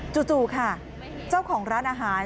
จู่ค่ะเจ้าของร้านอาหาร